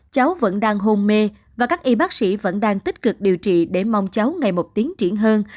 cháu vẫn đang hôn mê và các y bác sĩ vẫn đang tích cực điều trị để mong cháu ngày một tiến triển hơn